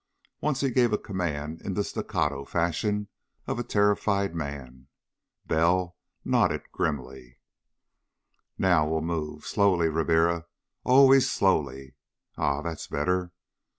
Once he gave a command in the staccato fashion of a terrified man. Bell nodded grimly. "Now we'll move. Slowly, Ribiera! Always slowly.... Ah! That's better!